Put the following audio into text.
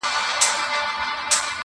زه او ته به څنگه ښکار په شراکت کړو؛